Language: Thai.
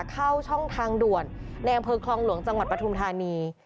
เข้าช่องทางด่วนในอำเภอคลองหลวงจังหวัดปฐุมธานี